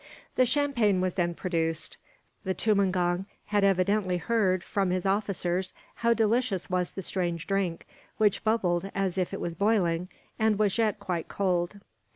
The champagne was then produced. The tumangong had evidently heard, from his officers, how delicious was the strange drink, which bubbled as if it was boiling and was yet quite cold.